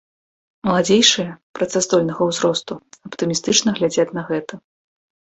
Маладзейшыя, працаздольнага ўзросту, аптымістычна глядзяць на гэта.